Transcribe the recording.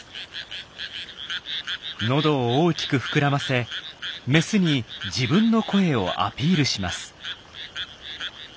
喉を大きく膨らませメスに自分の声をアピールします。